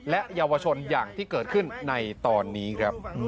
และเยาวชนอย่างที่เกิดขึ้นในตอนนี้ครับ